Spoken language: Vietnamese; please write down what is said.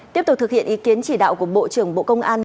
tiếp tục thực hiện ý kiến chỉ đạo của bộ trưởng bộ công an